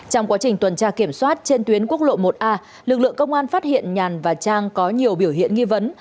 trong quá trình tuần tra kiểm soát trên tuyến quốc lộ một a lực lượng công an phát hiện nhàn và trang có nhiều biểu hiện nghi vấn